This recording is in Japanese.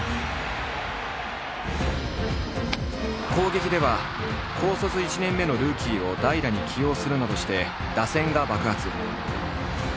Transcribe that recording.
攻撃では高卒１年目のルーキーを代打に起用するなどして打線が爆発。